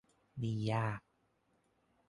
นี่ยาก